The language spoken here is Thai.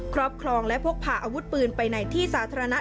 ครอบครองและพกพาอาวุธปืนไปในที่สาธารณะ